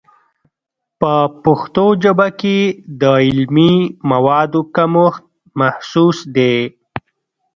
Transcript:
په پښتو ژبه کې د علمي موادو کمښت محسوس دی.